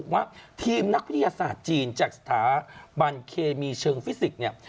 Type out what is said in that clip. ว่าทีมนักวิทยาศาสตร์จีนจากสถาบันเคมีเชิงฟิสิกส์เนี่ย